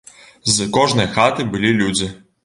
З кожнай хаты былі людзі.